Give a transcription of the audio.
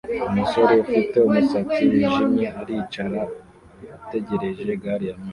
Umusore ufite umusatsi wijimye aricara ategereza gari ya moshi